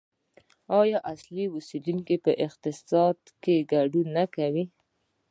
آیا اصلي اوسیدونکي په اقتصاد کې ګډون نه کوي؟